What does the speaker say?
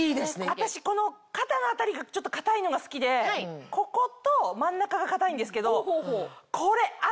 私この肩の辺りがちょっと硬いのが好きでここと真ん中が硬いんですけど。